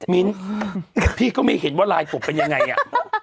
มิ้นพี่ก็ไม่เห็นว่าลายศพเป็นยังไงอ่ะ